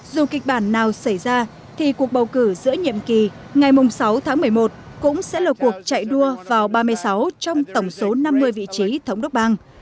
dù kịch bản nào xảy ra thì cuộc bầu cử giữa nhiệm kỳ ngày sáu tháng một mươi một cũng sẽ là cuộc chạy đua vào ba mươi sáu trong tổng số năm mươi vị trí thống đốc bang